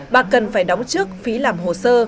bà cần phải đóng trước phí làm hồ sơ